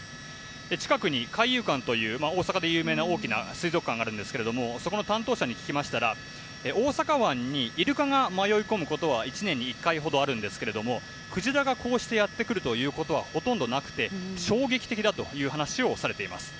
近くに海遊館という大阪で有名な大きな水族館がありますがそこの担当者に聞きましたら大阪湾にイルカが迷い込むことは１年に１回あるんですけれどもクジラがこうしてやってくるということはほとんどなくて衝撃的だという話をされています。